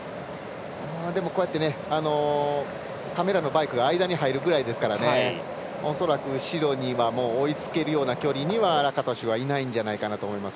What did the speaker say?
こうやってカメラのバイクが間に入るぐらいですから恐らく、後ろが追いつけるような距離にはラカトシュはいないんじゃないかなと思います。